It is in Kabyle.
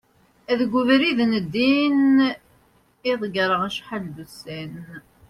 deg ubrid n ddin i ḍegreɣ acḥal d ussan